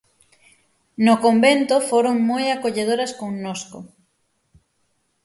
No convento foron moi acolledoras connosco.